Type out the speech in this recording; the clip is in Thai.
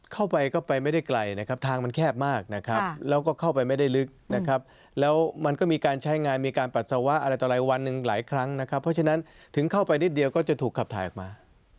เข้าไปก็ไปไม่ได้ไกลนะครับทางมันแคบมากนะครับแล้วก็เข้าไปไม่ได้ลึกนะครับแล้วมันก็มีการใช้งานมีการปัสสาวะอะไรต่ออะไรวันหนึ่งหลายครั้งนะครับเพราะฉะนั้นถึงเข้าไปนิดเดียวก็จะถูกขับถ่ายออกมา